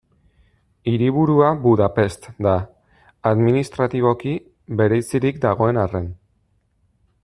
Hiriburua Budapest da, administratiboki bereizirik dagoen arren.